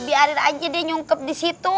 biarin aja dia nyungkep di situ